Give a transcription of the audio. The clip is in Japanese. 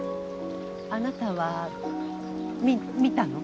あなたはみ見たの？